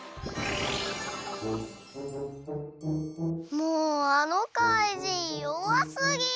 もうあのかいじんよわすぎ！